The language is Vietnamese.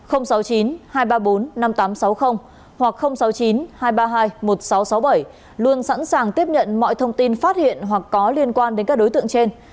hoặc sáu mươi chín hai trăm ba mươi hai một nghìn sáu trăm sáu mươi bảy luôn sẵn sàng tiếp nhận mọi thông tin phát hiện hoặc có liên quan đến các đối tượng trên